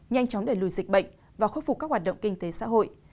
nhanh chóng đẩy lùi dịch bệnh và khôi phục các hoạt động kinh tế xã hội